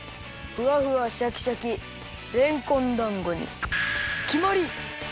ふわふわシャキシャキれんこんだんごにきまり！